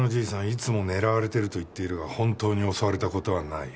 いつも狙われてると言っているが本当に襲われた事はない。